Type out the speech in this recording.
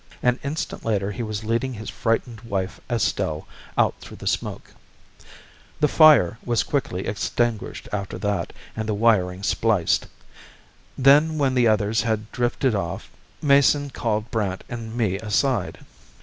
An instant later he was leading his frightened wife, Estelle, out through the smoke. The fire was quickly extinguished after that and the wiring spliced. Then when the others had drifted off, Mason called Brandt and me aside.